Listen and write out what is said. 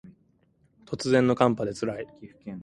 突然の寒波で辛い